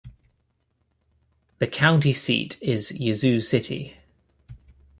The county seat is Yazoo City.